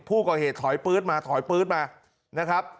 ผู้ก่อเหตุถอยปื๊ดมาถอยปื๊ดมานะครับ